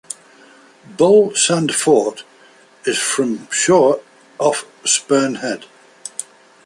Bull Sand Fort is from shore off Spurn Head.